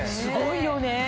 すごいよね。